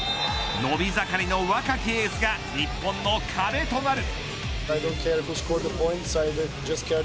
伸び盛りの若きエースが日本の壁となる。